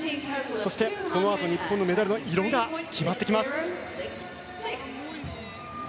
そして、このあと日本のメダルの色が決まってきます。